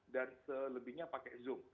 dan selebihnya pakai zoom